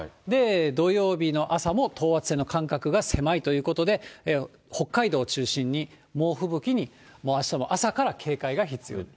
土曜日の朝も等圧線の間隔が狭いということで、北海道中心に、猛吹雪にあしたも朝から警戒が必要。